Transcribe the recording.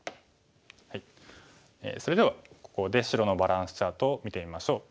それではここで白のバランスチャートを見てみましょう。